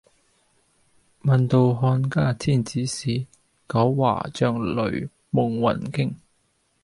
聞道漢家天子使，九華帳里夢魂驚。